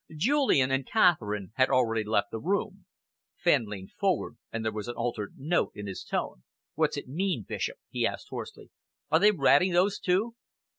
Julian and Catherine had already left the room. Fenn leaned forward, and there was an altered note in his tone. "What's it mean, Bishop?" he asked hoarsely. "Are they ratting, those two?"